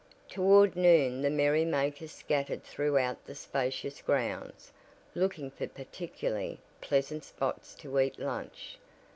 Toward noon the merry makers scattered throughout the spacious grounds, looking for particularly pleasant spots to eat lunch.